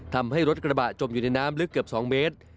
ทำให้รถกระบะจมอยู่ในน้ำลึกเกือบ๒เมตร